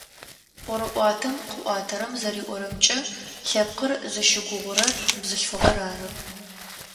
Ӏорыӏуатэм къыӏуатэрэм зэриӏорэмкӏэ, лъэпкъыр зыщыгугъурэр бзылъфыгъэр ары.